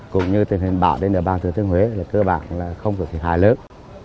cũng như tình hình bão đến ở bàn thừa thiên huế là cơ bản là không có thiệt hại lớn